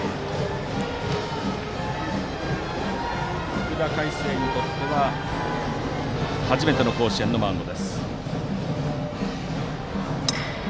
福田海晴にとって初めての甲子園のマウンド。